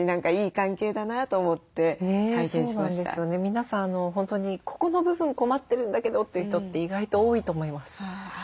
皆さん本当に「ここの部分困ってるんだけど」という人って意外と多いと思います。